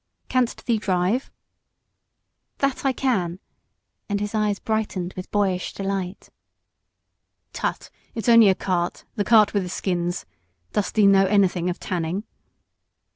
"Canst thee drive?" "That I can!" and his eyes brightened with boyish delight. "Tut! it's only a cart the cart with the skins. Dost thee know anything of tanning?"